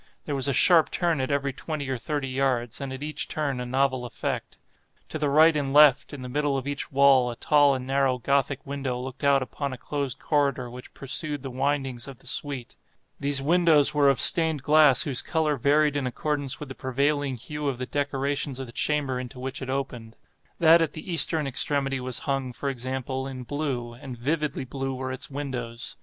There was a sharp turn at every twenty or thirty yards, and at each turn a novel effect. To the right and left, in the middle of each wall, a tall and narrow Gothic window looked out upon a closed corridor which pursued the windings of the suite. These windows were of stained glass whose color varied in accordance with the prevailing hue of the decorations of the chamber into which it opened. That at the eastern extremity was hung, for example, in blue—and vividly blue were its windows.